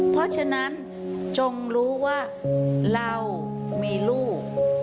เพราะฉะนั้นจงรู้ว่าเรามีลูก